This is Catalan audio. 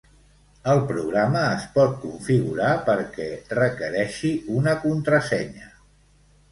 El programa es pot configurar perquè requereixi una contrasenya.